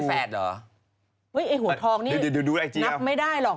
เฮ้ยไอ้หัวทองนี่นับไม่ได้หรอก